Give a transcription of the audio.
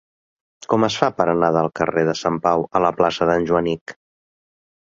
Com es fa per anar del carrer de Sant Pau a la plaça d'en Joanic?